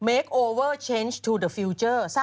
จากกระแสของละครกรุเปสันนิวาสนะฮะ